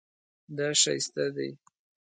دا ښایسته دی